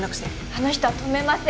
あの人は止めません。